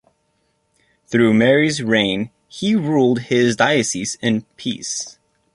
Through Mary's reign he ruled his diocese in peace.